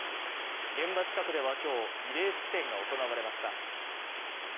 現場近くではきょう慰霊式典が行われました